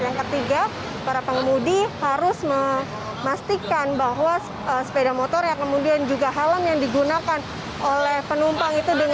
yang ketiga para pengemudi harus memastikan bahwa sepeda motor yang kemudian juga helm yang digunakan oleh penumpang itu